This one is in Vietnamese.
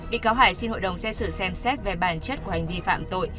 bị cáo hải xin hội đồng xét xử xem xét về bản chất của hành vi phạm tội